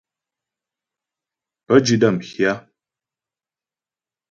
Pə́ di də́ m hyâ.